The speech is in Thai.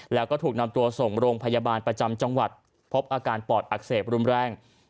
แล้วก็ถูกนำตัวส่งโรงพยาบาลประจำจังหวัดพบอาการปอดอักเสบรุนแรง